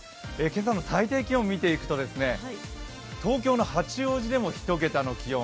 今朝の最低気温を見ていくと東京の八王子でも１桁の気温